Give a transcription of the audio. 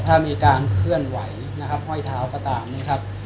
ถ้ามีการเคลื่อนไหวนะครับห้อยเท้าก็ตามนะครับ